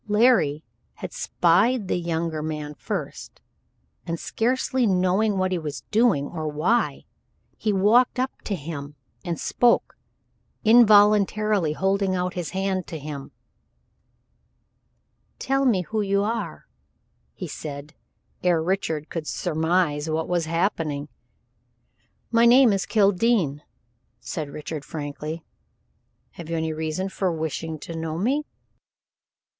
Larry had spied the younger man first, and, scarcely knowing what he was doing, or why, he walked up to him, and spoke, involuntarily holding out his hand to him. "Tell me who you are," he said, ere Richard could surmise what was happening. "My name is Kildene," said Richard, frankly. "Have you any reason for wishing to know me?"